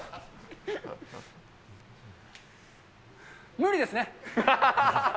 無理ですね。